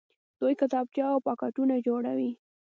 دوی کتابچې او پاکټونه جوړوي.